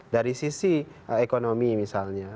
dari sisi ekonomi misalnya